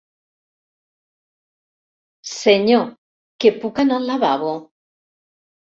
Senyo, que puc anar al lavabo?